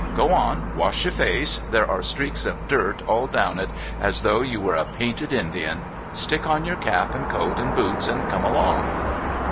Go on. Wash your face. There are streaks of dirt all down it as though you were a painted Indian; stick on your cap and coat and boots and come along."